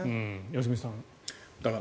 良純さん。